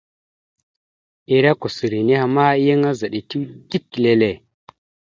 Ere kousseri nehe ma, yan azaɗ etew dik lele.